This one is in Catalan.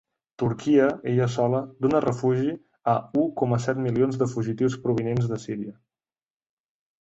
Turquia, ella sola, dóna refugi a u coma set milions de fugitius provinents de Síria.